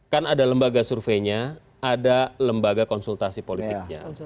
kan ada lembaga surveinya ada lembaga konsultasi politiknya